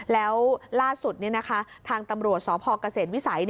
แล้วล่าสุดทางตำรวจสพเกษตรวิสัย